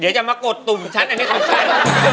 เดี๋ยวจะมากดตุ่มฉันอันนี้คือฉัน